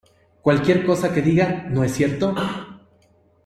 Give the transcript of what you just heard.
¡ Cualquier cosa que diga, no es cierto!